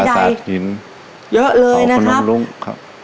ปราสาทหินเขาพนุมรุ้งครับเยอะเลยนะครับลุงครับ